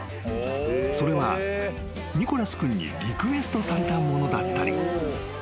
［それはニコラス君にリクエストされたものだったり］